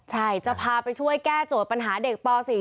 ใช่จะพาไปช่วยแก้โจทย์ปัญหาเด็กป๔